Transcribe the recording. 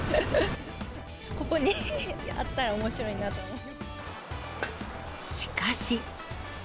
ここにあったらおもしろいなしかし。